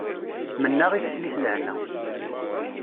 Mennaɣ i teslit lehna.